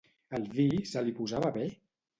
El vi se li posava bé?